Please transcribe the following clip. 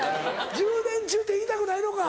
充電中って言いたくないのか！